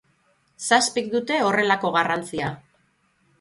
Zazpik dute horrelako garrantzia.